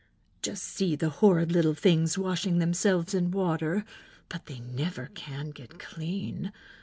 "Just see the horrid little things washing themselves in water, but they never can get clean.